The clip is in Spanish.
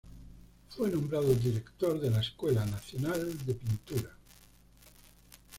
Fue nombrado director de la Escuela Nacional de Pintura.